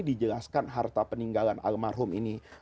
dijelaskan harta peninggalan almarhum ini